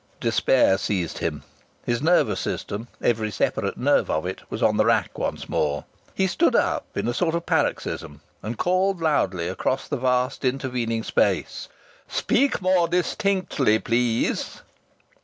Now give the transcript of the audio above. Despair seized him. His nervous system every separate nerve of it was on the rack once more. He stood up in a sort of paroxysm, and called loudly across the vast intervening space: "Speak more distinctly, please."